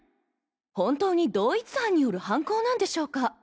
本当に同一犯による犯行なんでしょうか？